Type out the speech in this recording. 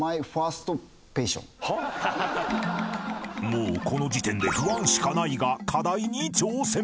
［もうこの時点で不安しかないが課題に挑戦］